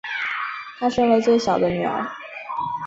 她生了最小的女儿